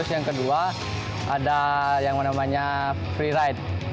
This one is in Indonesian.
yang kedua ada yang namanya free ride